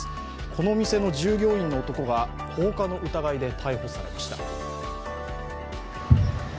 この店の従業員の男が放火の疑いで逮捕されました。